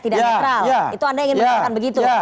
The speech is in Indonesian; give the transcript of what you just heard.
tidak netral itu anda ingin mengatakan begitu